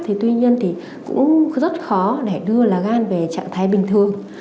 thì tuy nhiên thì cũng rất khó để đưa lá gan về trạng thái bình thường